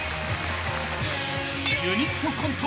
［ユニットコント